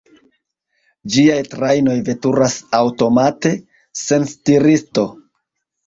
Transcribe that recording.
Ĝiaj trajnoj veturas aŭtomate, sen stiristo.